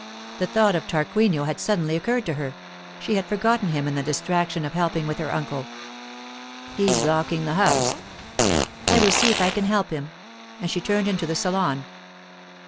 The thought of Tarquinio had suddenly occurred to her; she had forgotten him in the distraction of helping with her uncle. 'He's locking the house.' 'I will see if I can help him,' and she turned into the salon.